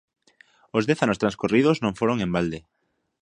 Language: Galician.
Os dez anos transcorridos non foron en balde.